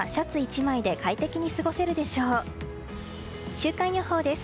週間予報です。